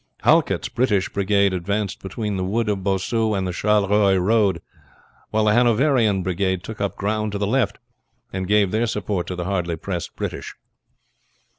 Halket's British brigade advanced between the wood of Bossu and the Charleroi road; while the Hanoverian brigade took up ground to the left, and gave their support to the hardly pressed British.